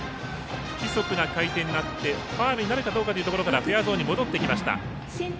不規則な回転があってファウルになるかどうかというところからフェアゾーンに戻ってきました。